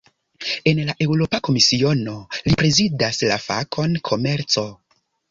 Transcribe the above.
En la Eŭropa Komisiono, li prezidas la fakon "komerco".